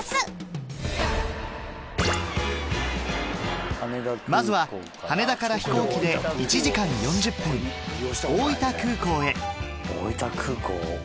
最初はまずは羽田から飛行機で１時間４０分大分空港へ